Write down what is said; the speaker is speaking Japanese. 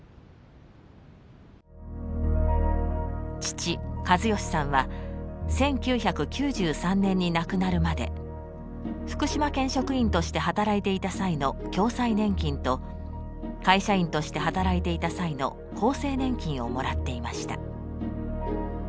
父・計義さんは１９９３年に亡くなるまで福島県職員として働いていた際の共済年金と会社員として働いていた際の厚生年金をもらっていました。